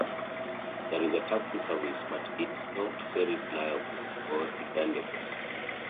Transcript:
There is a taxi service but it's not very reliable or dependable.